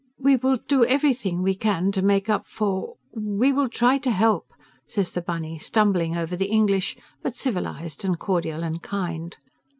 "We will do everything we can to make up for ... we will try to help," says the bunny, stumbling over the English, but civilized and cordial and kind.